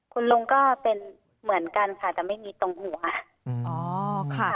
คุณลุงก็เป็นเหมือนกันค่ะแต่ไม่มีตรงหัวอ๋อค่ะ